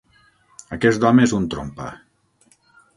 Aquest home és un trompa.